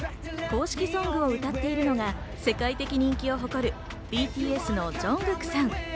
公式ソングを歌ってるのが世界的人気を誇るＢＴＳのＪＵＮＧＫＯＯＫさん。